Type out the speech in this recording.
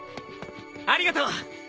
ありがとう。